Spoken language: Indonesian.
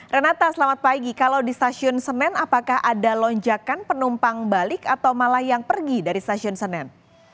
renata selamat pagi kalau di stasiun senen apakah ada lonjakan penumpang balik atau malah yang pergi dari stasiun senen